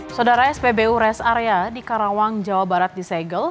saudara spbu res area di karawang jawa barat di segel